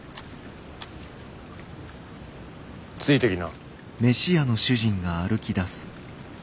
ついてきな。